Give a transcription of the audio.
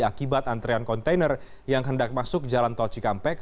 akibat antrean kontainer yang hendak masuk jalan tol cikampek